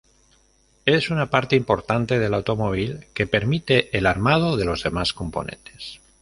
Es una parte importante del automóvil que permite el armado de los demás componentes.